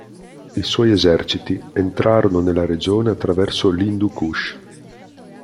I suoi eserciti entrarono nella regione attraverso l'Hindu Kush.